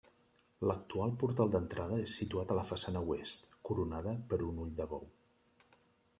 L'actual portal d'entrada és situada a la façana oest, coronada per un ull de bou.